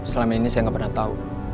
selama ini saya nggak pernah tahu